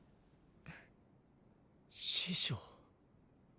師匠？